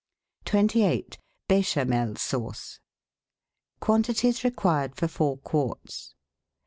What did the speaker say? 28— BECHAMEL SAUCE Quantities Required for Four Quarts.